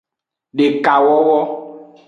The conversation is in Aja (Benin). Dekawowo.